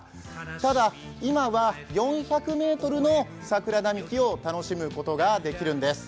ただ、今は４００ｍの桜並木を楽しむことができるんです。